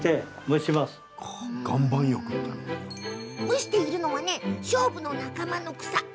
蒸しているのはショウブの仲間の草。